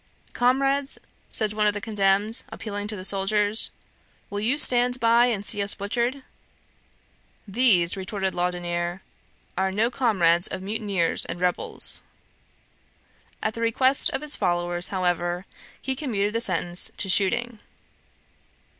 "Comrades," said one of the condemned, appealing to the soldiers, "will you stand by and see us butchered?" "These," retorted Laudonniere, "are no comrades of mutineers and rebels." At the request of his followers, however, he commuted the sentence to shooting.